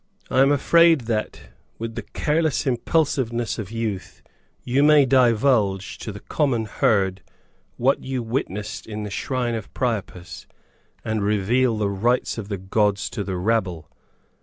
I am afraid that, with the careless impulsiveness of youth, you may divulge, to the common herd, what you witnessed in the shrine of Priapus, and reveal the rites of the gods to the rabble.